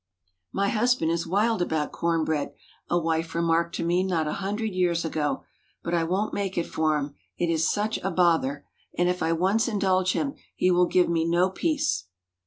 "My husband is wild about corn bread," a wife remarked to me not a hundred years ago, "but I won't make it for him; it is such a bother! And if I once indulge him, he will give me no peace."